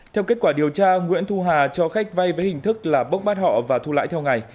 theo kết quả điều tra nguyễn thu hà cho khách vay với hình thức là bốc bắt họ và thu lãi theo ngày